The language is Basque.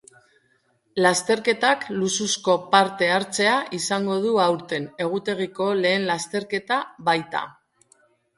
Lasterketak luxuzko parte hartzea izango du aurten egutegiko lehen lasterketa baita.